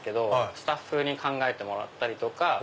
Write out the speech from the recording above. スタッフに考えてもらったりとか。